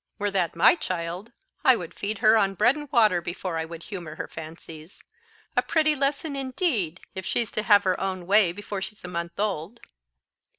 "Were that my child, I would feed her on bread and water before I would humour her fancies. A pretty lesson, indeed! if she's to have her own way before she's a month old."